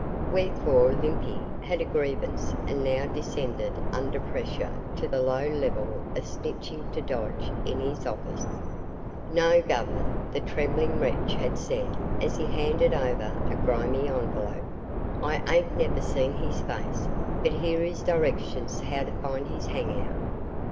Wherefore Limpy had a grievance and now descended under pressure to the low level of snitching to Dodge in his office. "No, Governor," the trembling wretch had said as he handed over a grimy envelope, "I ain't never seen his face but here is directions how to find his hang out."